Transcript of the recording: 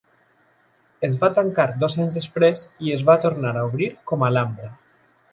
Es va tancar dos anys després i es va tornar a obrir com Alhambra.